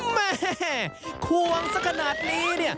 แม่ควงสักขนาดนี้